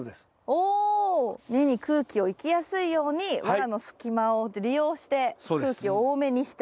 お根に空気を行きやすいようにワラの隙間を利用して空気を多めにしてあげる。